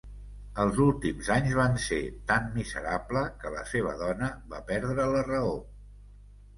Els últims anys van ser tan miserable que la seva dona va perdre la raó.